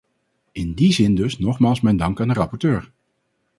In die zin dus nogmaals mijn dank aan de rapporteur.